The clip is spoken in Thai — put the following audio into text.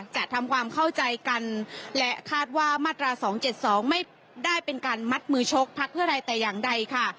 จะทำความเข้าใจกันและคาดว่ามาตรา๒๗๒ไม่ได้เป็นการมัดมือชกพักเพื่อไทยแต่อย่างใดค่ะ